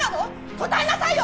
答えなさいよ！